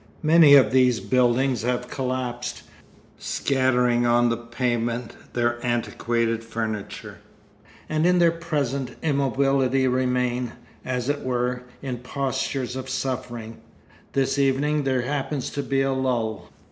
Many of these buildings have collapsed, scattering on to the pavement their antiquated furniture, and in their present immobility remain, as it were, in postures of suffering. This evening there happens to be a lull.